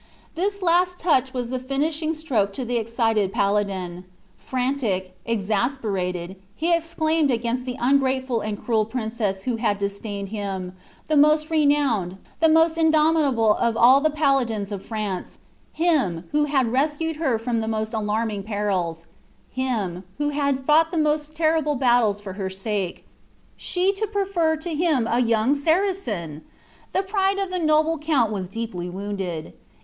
This last touch was the finishing stroke to the excited paladin. Frantic, exasperated, he exclaimed against the ungrateful and cruel princess who had disdained him, the most renowned, the most indomitable of all the paladins of France, him, who had rescued her from the most alarming perils, him, who had fought the most terrible battles for her sake, she to prefer to him a young Saracen! The pride of the noble Count was deeply wounded.